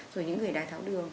rồi những người đai tháo đường